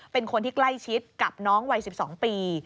เป็นคนที่ใกล้ชิดกับน้องวัย๑๒ปี